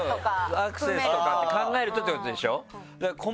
アクセスとかって考えるとってことでしょ。